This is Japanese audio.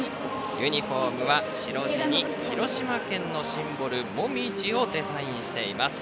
ユニフォームは白地に広島県のシンボルもみじをデザインしています。